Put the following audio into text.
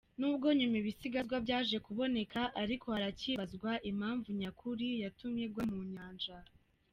Nubwo nyuma ibisigazwa byaje kuboneka ariko hari hacyibazwa impamvu nyakuri yatumye igwa mu nyanja.